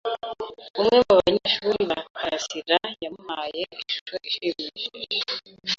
Umwe mu banyeshuri ba Karasirayamuhaye ishusho ishimishije.